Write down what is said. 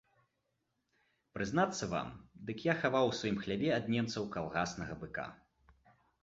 Прызнацца вам, дык я хаваў у сваім хляве ад немцаў калгаснага быка.